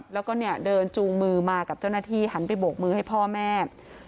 แล้วก็เนี่ยเดินจูงมือมากับเจ้าหน้าที่หันไปโบกมือให้พ่อแม่